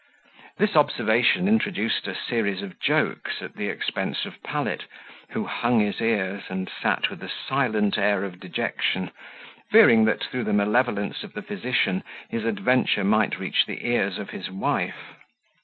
This observation introduced a series of jokes at the expense of Pallet, who hung his ears, and sat with a silent air of dejection, fearing that, through the malevolence of the physician, his adventure might reach the ears of his wife.